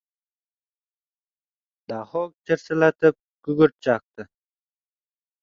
Daho chirsillatib gugurt chaqdi.